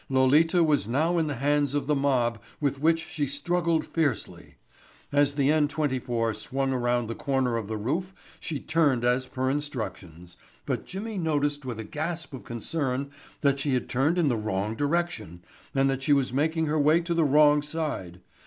Lolita was now in the hands of the mob with which she struggled fiercely. As the N 24 swung around the corner of the roof she turned as per instructions, but Jimmy noticed with a gasp of concern that she had turned in the wrong direction and that she was making her way to the wrong side.